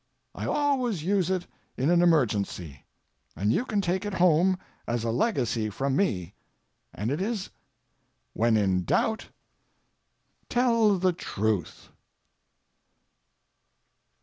I always use it in an emergency, and you can take it home as a legacy from me, and it is "When in doubt, tell the truth."